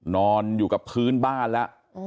นอนอยู่กับพื้นบ้านแล้ว